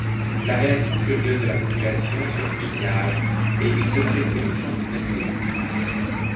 La réaction furieuse de la population surprit Gage, et une seconde expédition fut annulée.